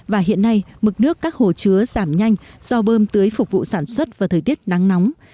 và hiện nay mực nước các hồ chứa giảm nhanh do bơm tưới phục vụ sản xuất vào thời tiết nắng nóng